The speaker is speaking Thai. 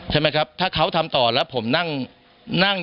แล้วเค้าไม่ได้ทำต่อ